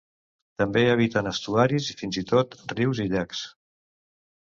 També habiten estuaris i fins i tot rius i llacs.